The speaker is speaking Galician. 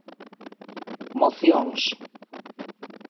Mocións.